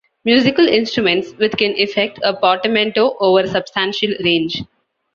Musical instruments with can effect a portamento over a substantial range.